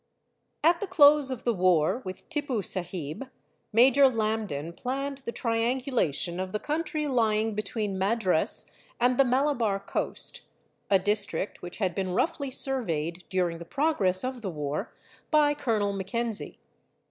_ At the close of the war with Tippoo Sahib, Major Lambton planned the triangulation of the country lying between Madras and the Malabar coast, a district which had been roughly surveyed, during the progress of the war, by Colonel Mackenzie.